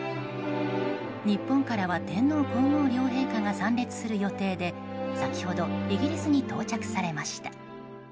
日本からは天皇・皇后両陛下が参列する予定で先ほどイギリスに到着されました。